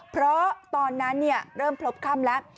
เพราะตอนนั้นเริ่มพบค่ำแล้ว